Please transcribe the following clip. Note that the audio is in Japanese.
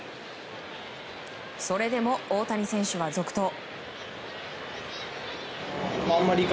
それでも大谷選手は続投。